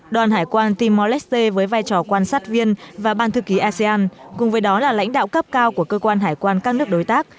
đoàn hải quan timor leste với vai trò quan sát viên và ban thư ký asean cùng với đó là lãnh đạo cấp cao của cơ quan hải quan các nước đối tác